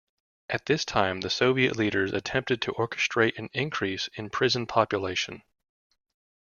At this time the Soviet leaders attempted to orchestrate an increase in prison population.